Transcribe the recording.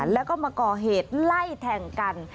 แล้วก็มาก่อเหตุไล่แทงกัน